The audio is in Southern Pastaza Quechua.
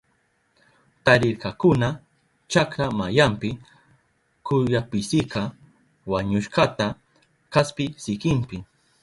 Tarirkakuna chakra mayanpi kuyapisika wañushkata kaspi sikinpi.